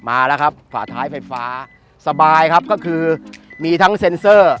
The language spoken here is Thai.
มาแล้วครับฝาท้ายไฟฟ้าสบายครับก็คือมีทั้งเซ็นเซอร์